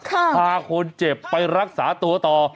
พาคนเจ็บไปรักษาตัวต่อ